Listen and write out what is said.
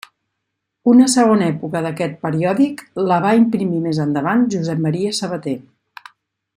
Una segona època d'aquest periòdic la va imprimir més endavant Josep Maria Sabater.